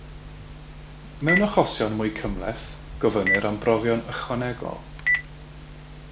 Mewn achosion mwy cymhleth, gofynnir am brofion ychwanegol.